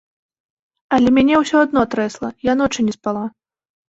Але мяне ўсё адно трэсла, я ночы не спала.